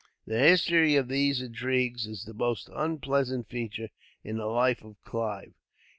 The history of these intrigues is the most unpleasant feature in the life of Clive.